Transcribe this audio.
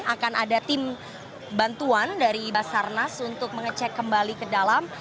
akan ada tim bantuan dari basarnas untuk mengecek kembali ke dalam